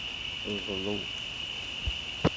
Ḍlu.